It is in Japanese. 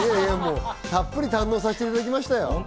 たっぷり堪能させていただきましたよ。